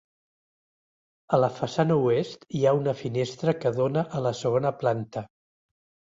A la façana oest hi ha una finestra que dóna a la segona planta.